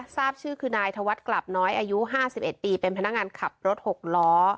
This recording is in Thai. ทราบชื่อคือนายธวัฒน์กลับน้อยอายุ๕๑ปีเป็นพนักงานขับรถ๖ล้อ